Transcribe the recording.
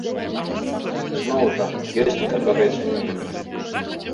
Зноў жа, ёсць некаторыя сумненні.